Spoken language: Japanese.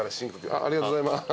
ありがとうございます。